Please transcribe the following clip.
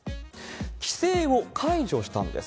規制を解除したんです。